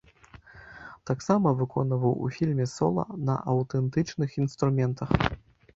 Таксама выконваў ў фільме сола на аўтэнтычных інструментах.